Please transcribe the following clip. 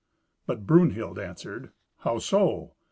But Brunhild answered, "How so?